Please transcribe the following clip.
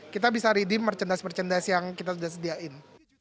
kita bisa rediem merchandise merchandise yang kita sudah sediain